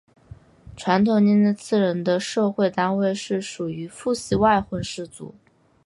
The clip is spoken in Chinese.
传统涅涅茨人的社会单位是属于父系外婚氏族。